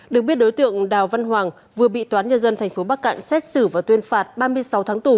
được biết đối tượng đào văn hoàng vừa bị toán nhân dân tp bắc cạn xét xử và tuyên phạt ba mươi sáu tháng tù